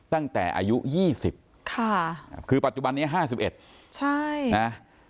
ตั้งแต่อายุยี่สิบค่ะคือปัจจุบันนี้ห้าสิบเอ็ดใช่นะ